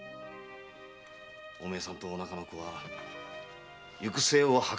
お前さんとおなかの子は行く末を儚んで死んだ。